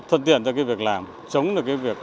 thuận tiện cho cái việc làm chống được cái việc